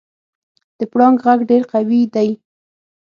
د پړانګ غږ ډېر قوي دی.